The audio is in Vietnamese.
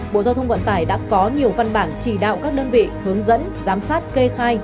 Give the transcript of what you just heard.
bộ giao thông vận tải đã có nhiều văn bản chỉ đạo các đơn vị hướng dẫn giám sát kê khai